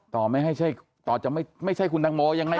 ตอบไม่ให้ใช่ห์ตอบจะไม่ใช่คุณแตงโมยังไงก็